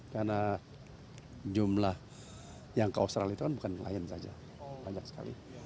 karena jumlah yang ke australia itu bukan lion saja banyak sekali